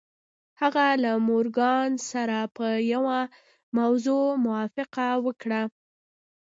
هغه له مورګان سره په یوه موضوع موافقه وکړه